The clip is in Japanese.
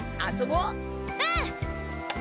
うん！